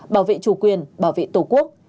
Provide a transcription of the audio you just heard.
bảo vệ chủ quyền bảo vệ tổ quốc